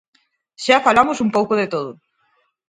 Xa falamos un pouco de todo...